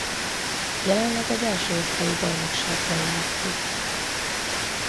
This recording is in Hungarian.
Jelenleg az első osztályú bajnokságban játszik.